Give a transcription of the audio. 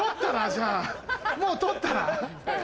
じゃあもう取ったら？